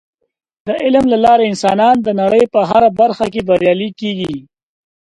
د علم له لارې انسانان د نړۍ په هره برخه کې بریالي کیږي.